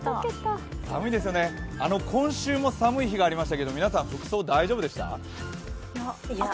寒いですよね、今週も寒い日がありましたけど、皆さん、服装大丈夫でした？